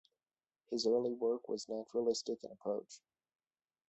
His early work was naturalistic in approach.